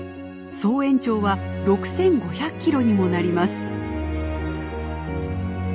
総延長は６，５００キロにもなります。